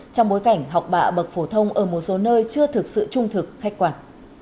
trong bối cảnh học bạ bậc phổ thông ở một số nơi chưa thực sự trung thực khách quan